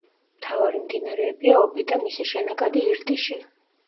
მთავარი მდინარეებია ობი და მისი შენაკადი ირტიში.